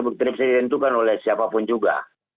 terus terbukti dan ditentukan oleh siapapun juga